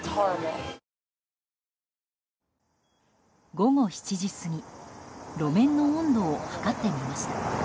午後７時過ぎ路面の温度を測ってみました。